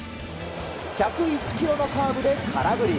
１０１キロのカーブで空振り。